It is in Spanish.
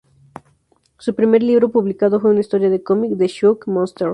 Su primer libro publicado fue una historia de cómic: "The Sock Monsters".